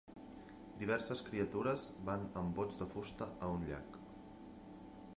Diverses criatures van amb bots de fusta a un llac.